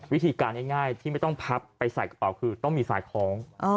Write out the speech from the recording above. วิธีการง่ายที่ไม่ต้องพับไปใส่กระเป๋าคือต้องมีสายคล้อง